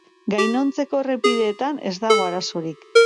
Gainontzeko errepideetan ez dago arazorik.